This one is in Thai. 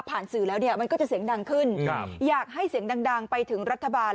สื่อแล้วเนี่ยมันก็จะเสียงดังขึ้นอยากให้เสียงดังไปถึงรัฐบาล